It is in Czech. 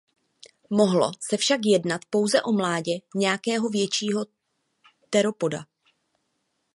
Mohlo se však jednat pouze o mládě nějakého většího teropoda.